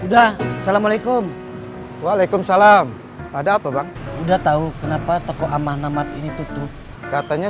udah assalamualaikum waalaikumsalam ada apa bang udah tahu kenapa toko aman aman ini tutup katanya